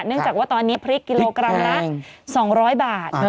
จากว่าตอนนี้พริกกิโลกรัมละ๒๐๐บาท